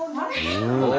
お！